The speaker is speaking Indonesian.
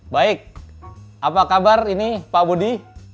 baik apa kabar ini pak budi